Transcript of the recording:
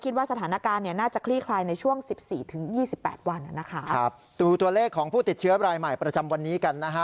ดูตัวเลขของผู้ติดเชื้อรายใหม่ประจำวันนี้กันนะคะ